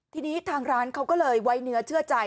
ทีนี้ทางร้านเขาก็เลยไว้เนื้อเชื่อใจ